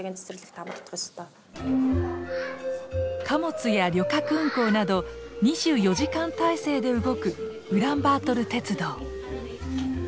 貨物や旅客運行など２４時間体制で動くウランバートル鉄道。